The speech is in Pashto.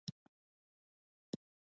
اونۍ اووه ورځې ده